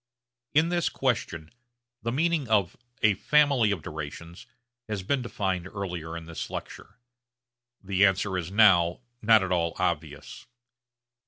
In this question the meaning of a 'family of durations' has been defined earlier in this lecture. The answer is now not at all obvious.